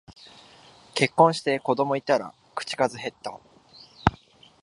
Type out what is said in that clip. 結婚して子供いたら口数へった